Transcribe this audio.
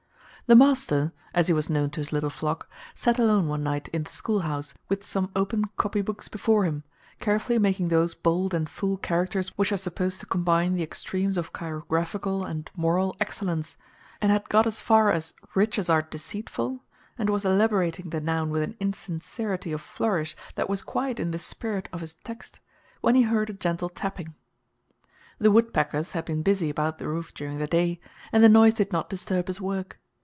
"The Master," as he was known to his little flock, sat alone one night in the schoolhouse, with some open copybooks before him, carefully making those bold and full characters which are supposed to combine the extremes of chirographical and moral excellence, and had got as far as "Riches are deceitful," and was elaborating the noun with an insincerity of flourish that was quite in the spirit of his text, when he heard a gentle tapping. The woodpeckers had been busy about the roof during the day, and the noise did not disturb his work.